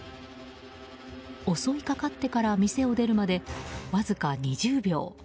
襲いかかってから店を出るまでわずか２０秒。